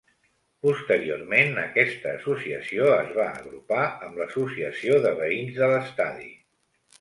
Posteriorment, aquesta Associació es va agrupar amb l'Associació de veïns de l'Estadi.